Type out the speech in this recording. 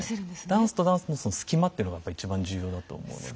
ダンスとダンスのその隙間っていうのがやっぱり一番重要だと思うので。